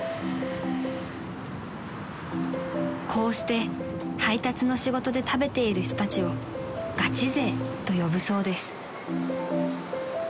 ［こうして配達の仕事で食べている人たちをガチ勢と呼ぶそうです］